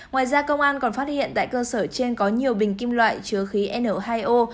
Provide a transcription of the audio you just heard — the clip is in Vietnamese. ngoài ra công an còn phát hiện tại cơ sở trên có nhiều bình kim loại chứa khí n hai o